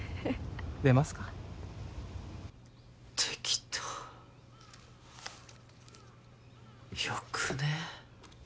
出ますかできたよくね？